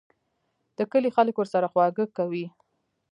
د کلي خلک ورسره خواږه کوي.